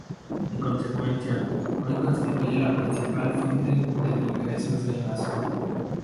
En consecuencia, hoy constituye la principal fuente de ingresos en la zona.